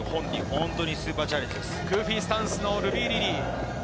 グーフィースタンスのルビー・リリー。